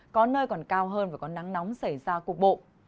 có nơi còn cao hơn và có nắng nóng xảy ra cục bộ